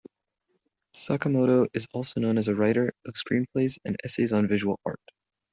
Sakamoto is also known as a writer of screenplays and essays on visual art.